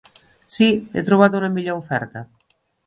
Sí, he trobat una millor oferta.